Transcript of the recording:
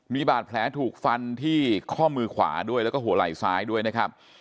มีบาดแผลถูกฟันที่ข้อมือขวาด้วยแล้วก็หัวไหล่ซ้ายด้วยนะครับ